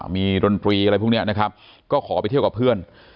มีดนตรีอะไรพวกนี้นะครับก็ขอไปเที่ยวกับเพื่อน